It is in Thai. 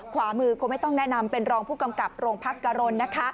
ขวามือคงไม่ต้องแนะนำเป็นรองผู้กำกับโรงพักกะรนนะคะ